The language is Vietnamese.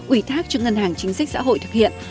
ủy thác cho ngân hàng chính sách xã hội thực hiện